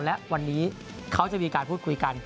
และวันนี้เขาจะมีการพูดคุยกัน